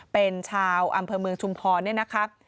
เป็นชาวอำเภอเมืองชุมพรเนี่ยนะครับ